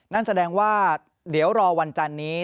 นั่นแสดงว่าเดี๋ยวรอวันจันนี้